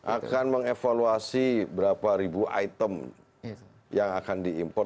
akan mengevaluasi berapa ribu item yang akan diimpor